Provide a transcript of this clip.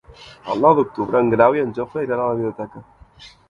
El nou d'octubre en Grau i en Jofre iran a la biblioteca.